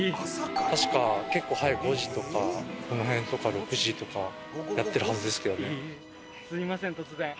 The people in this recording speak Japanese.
確か結構早く５時とかその辺とか６時とかやってるはずですけどね。